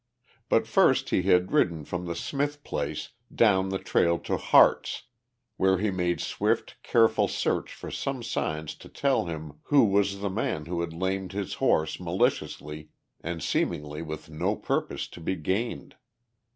But first he had ridden from the Smith place down the trail to Harte's, where he made swift, careful search for some sign to tell him who was the man who had lamed his horse maliciously and seemingly with no purpose to be gained.